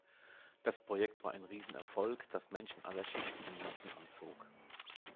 Das Projekt war ein Riesenerfolg, das Menschen aller Schichten in Massen anzog.